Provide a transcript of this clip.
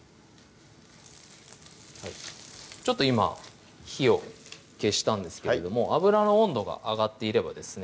ちょっと今火を消したんですけれども油の温度が上がっていればですね